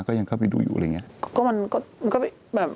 ก็ยังเข้าไปดูอยู่อะไรอย่างนี้